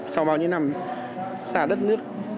sau bao nhiêu năm xa đất nước